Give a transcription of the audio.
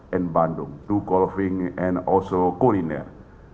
di bandung untuk golfing dan juga kuliner